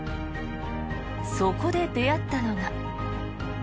そこで出会ったのが。